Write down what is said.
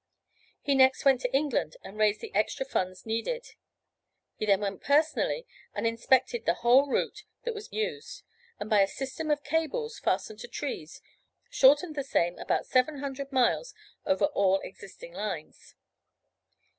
He next went to England and raised the extra funds needed. He then went personally and inspected the whole route that was used, and by a system of cables fastened to trees, shortened the same about seven hundred miles over all existing lines.